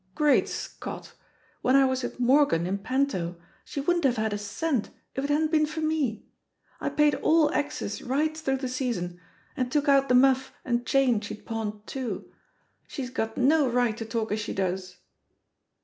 Great Scott! when I was with Morgan, in panto, she wouldn't have had a cent if it hadn't been for me. I paid all exes right through the season, and took out the muff and chain she'd pawned, too. She's got no right to talk as she does."